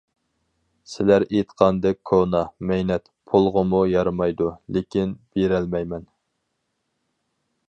-سىلەر ئېيتقاندەك كونا، مەينەت، پۇلغىمۇ يارىمايدۇ. لېكىن بېرەلمەيمەن.